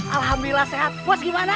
alhamdulillah sehat bos gimana